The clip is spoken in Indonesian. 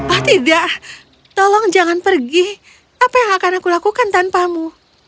oh tidak tolong jangan pergi apa yang akan aku lakukan tanpamu